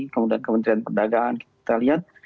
kemudian kementerian perdagangan kita lihat